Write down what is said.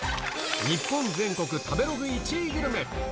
日本全国食べログ１位グルメ。